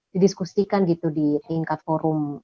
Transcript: didiskusikan gitu di tingkat forum